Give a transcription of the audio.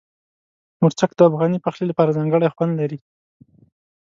مرچک د افغاني پخلي لپاره ځانګړی خوند لري.